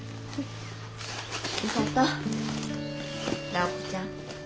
直子ちゃん。